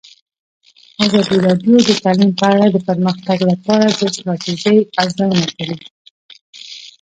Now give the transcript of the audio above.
ازادي راډیو د تعلیم په اړه د پرمختګ لپاره د ستراتیژۍ ارزونه کړې.